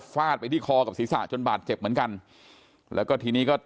ฟาดไปที่คอกับศีรษะจนบาดเจ็บเหมือนกันแล้วก็ทีนี้ก็